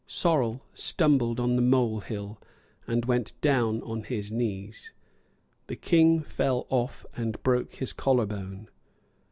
Sorrel stumbled on the mole hill, and went down on his knees. The King fell off, and broke his collar bone.